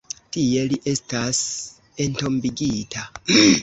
Tie li estas entombigita.